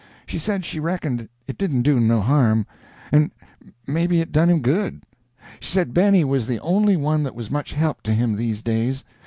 She said she reckoned it didn't do him no harm, and may be it done him good. She said Benny was the only one that was much help to him these days.